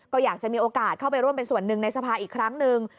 ก็อยากจะมีโอกาสเข้าไปร่วมเป็นส่วนหนึ่งในสภาอีกครั้งหนึ่ง